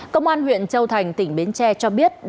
công an huyện châu thành tỉnh bến tre cho biết